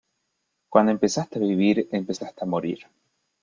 Cuando empezaste a vivir empezaste a morir.